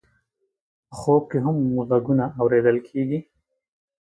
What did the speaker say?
په خوب کې هم غږونه اورېدل کېږي.